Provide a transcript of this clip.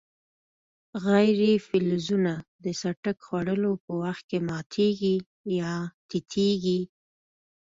غیر فلزونه د څټک خوړلو په وخت کې ماتیږي یا تیتیږي.